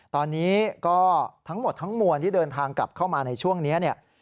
ตอนนี้ก็ทั้งหมดทั้งมวลที่เดินทางกลับเข้ามาในช่วงนี้เนี่ย